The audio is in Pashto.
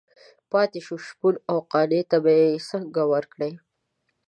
پاتې شو شپون او قانع ته به یې څنګه ورکړي.